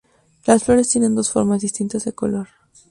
Las flores tienen dos formas distintas de color.